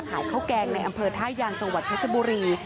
ข้าวแกงในอำเภอท่ายางจังหวัดเพชรบุรี